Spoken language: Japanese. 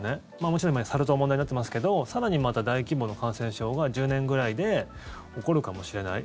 もちろん今サル痘も問題になってますけど更にまた大規模な感染症が１０年ぐらいで起こるかもしれない。